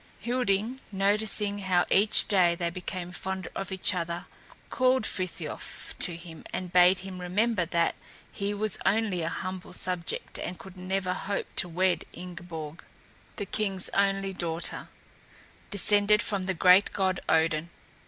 Hilding, noticing how each day they became fonder of each other, called Frithiof to him and bade him remember that he was only a humble subject and could never hope to wed Ingeborg, the king's only daughter, descended from the great god Odin.